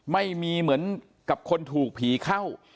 ไม่มีเหมือนกับคนถูกผีเข้า